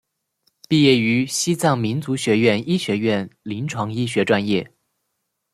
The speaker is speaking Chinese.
毕业于西藏民族学院医学院临床医学专业。